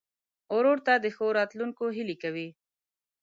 ورور ته د ښو راتلونکو هیلې کوې.